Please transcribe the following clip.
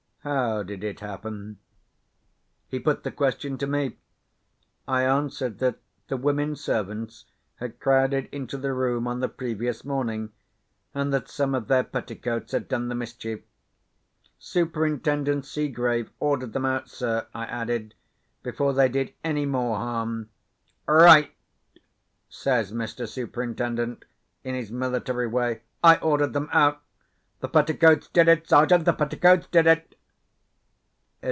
"How did it happen?" He put the question to me. I answered that the women servants had crowded into the room on the previous morning, and that some of their petticoats had done the mischief, "Superintendent Seegrave ordered them out, sir," I added, "before they did any more harm." "Right!" says Mr. Superintendent in his military way. "I ordered them out. The petticoats did it, Sergeant—the petticoats did it."